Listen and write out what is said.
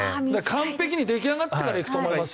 完璧に出来上がってから行くと思いますよ。